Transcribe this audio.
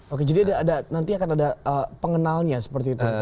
oke jadi nanti akan ada pengenalnya seperti itu